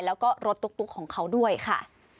แล้วก็รถตุ๊กของเขาด้วยค่ะ